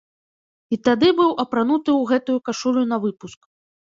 І тады быў апрануты ў гэтую кашулю навыпуск.